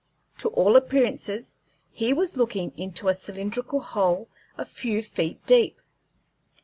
To all appearances he was looking into a cylindrical hole a few feet deep.